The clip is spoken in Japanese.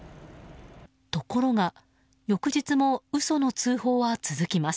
ところが、翌日も嘘の通報は続きます。